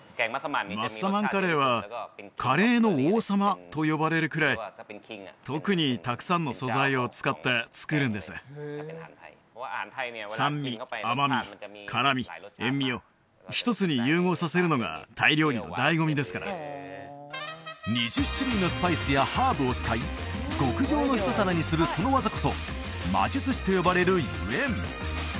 マッサマンカレーはカレーの王様と呼ばれるくらい特にたくさんの素材を使って作るんですを一つに融合させるのがタイ料理の醍醐味ですから２０種類のスパイスやハーブを使い極上の一皿にするその技こそ魔術師と呼ばれるゆえん